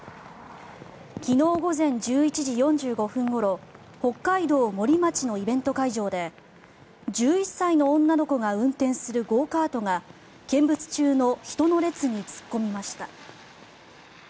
昨日午前１１時４５分ごろ北海道森町のイベント会場で１１歳の女の子が運転するゴーカートが見物中の人の列に突っ込みました。